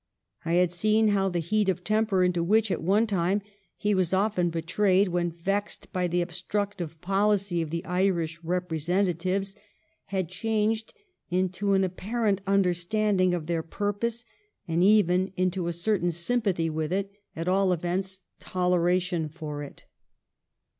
I had seen how the heat of temper into which at one time he was often betrayed when vexed by the obstructive policy of the Irish representatives had changed into an apparent understanding of their purpose and even into a certain sympathy with it, at all events, toleration for it.